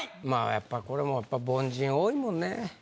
まあやっぱこれもやっぱ凡人多いもんね。